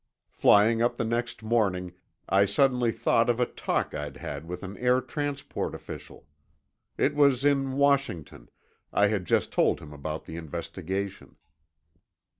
Flying up the next morning, I suddenly thought of a talk I'd had with an air transport official. It was in Washington; I had just told him about the investigation.